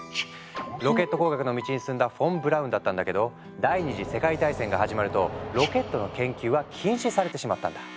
ロケット工学の道に進んだフォン・ブラウンだったんだけど第二次世界大戦が始まるとロケットの研究は禁止されてしまったんだ。